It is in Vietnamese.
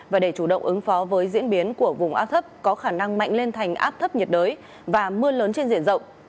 và để chủ động ứng phó với diễn biến của vùng áp thấp có khả năng mạnh lên thành áp thấp nhiệt đới và mưa lớn trên diện rộng